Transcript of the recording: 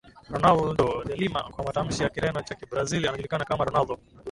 Ronaldo de Lima kwa matamshi ya Kireno cha Kibrazili anajulikana kama Ronaldo